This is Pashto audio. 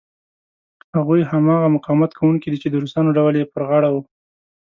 هغوی هماغه مقاومت کوونکي دي چې د روسانو ډول یې پر غاړه و.